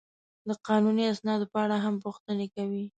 د قانوني اسنادو په اړه هم پوښتنې کوي.